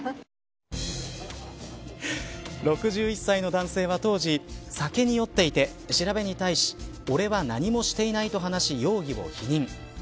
６１歳の男性は当時酒に酔っていて調べに対し俺は何もしていないと容疑を否認。